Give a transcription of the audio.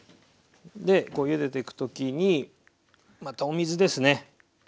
ゆでていく時にまたお水ですね。